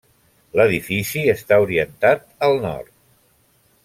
L'edifici està orientat a nord.